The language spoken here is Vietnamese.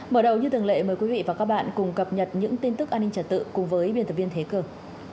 mở đầu như thường lệ mời quý vị và các bạn cùng cập nhật những tin tức an ninh trật tự cùng với biên tập viên thế cường